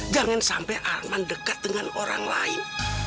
jangan sampai arman dekat dengan orang lain